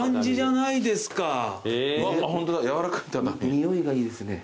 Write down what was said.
匂いがいいですね。